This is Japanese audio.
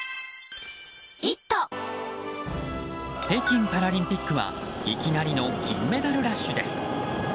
北京パラリンピックはいきなりの金メダルラッシュです。